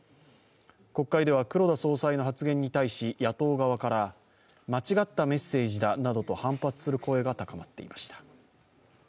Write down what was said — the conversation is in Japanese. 国会では黒田総裁の発言に対し野党側から間違ったメッセージだなどと反発する声が高まっていました。